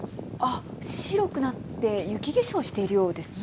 白くなって雪化粧しているようですね。